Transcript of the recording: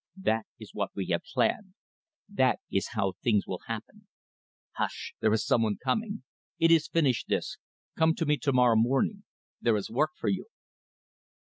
That is what we have planned. That is how things will happen. Hush! There is some one coming. It is finished, this. Come to me to morrow morning. There is work for you."